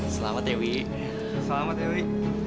selamat ewi selamat ewi